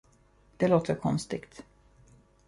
Det låter konstigt.